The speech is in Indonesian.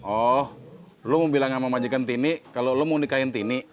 oh lu mau bilang sama majikan tini kalau lu mau nikahin tini